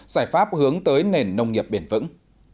giải pháp hướng tới nền nông nghiệp bền vững